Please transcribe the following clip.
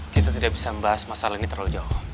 kita tidak bisa membahas masalah ini terlalu jauh